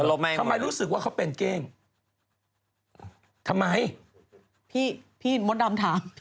แล้วว่าสองไม่แหละ